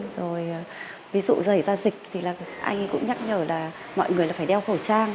rồi ví dụ dày ra dịch thì anh cũng nhắc nhở là mọi người phải đeo khẩu trang